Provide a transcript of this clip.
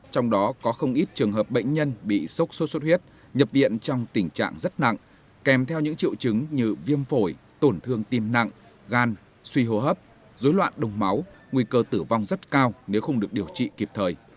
trong đó có không ít trường hợp bệnh nhân bị sốc sốt xuất huyết nhập viện trong tình trạng rất nặng kèm theo những triệu chứng như viêm phổi tổn thương tim nặng gan suy hô hấp dối loạn đông máu nguy cơ tử vong rất cao nếu không được điều trị kịp thời